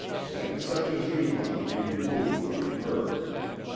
Men such as you must be removed from the earth.